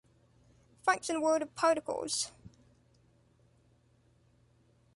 Function word of particles.